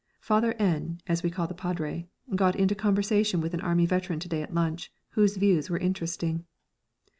"Father N.," as we call the padre, got into conversation with an Army veteran to day at lunch, whose views were interesting.